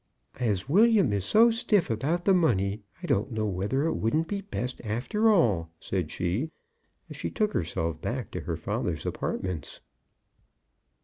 "As William is so stiff about the money, I don't know whether it wouldn't be best after all," said she, as she took herself back to her father's apartments.